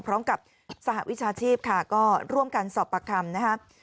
พร้อมกับสหวิชาชีพค่ะก็ร่วมกันสอบปากคำนะครับ